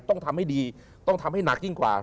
ต้องทำให้ดีต้องทำให้หนักยิ่งกว่า